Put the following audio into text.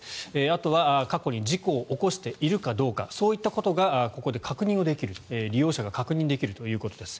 あとは過去に事故を起こしているかどうかそういったことがここで利用者が確認できるということです。